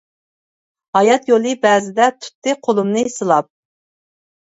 ھايات يولى بەزىدە، تۇتتى قولۇمنى سىلاپ.